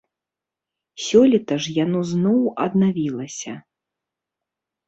Сёлета ж яно зноў аднавілася.